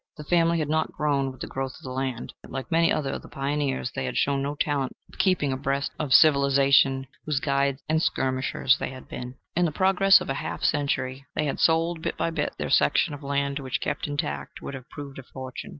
The family had not grown with the growth of the land. Like many others of the pioneers, they had shown no talent for keeping abreast of the civilization whose guides and skirmishers they had been. In the progress of a half century they had sold, bit by bit, their section of land, which kept intact would have proved a fortune.